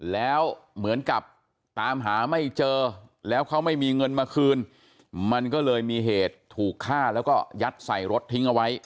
แล้วเหมือนกับตามหาไม่เจอแล้วเขาไม่มีเงินมาคืนมันก็เลยมีเหตุถูกฆ่าแล้วก็ยัดใส่รถทิ้งเอาไว้